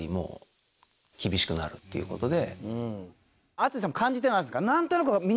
淳さんも感じてたんですか？